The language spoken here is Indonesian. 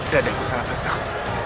dan aku sangat sesat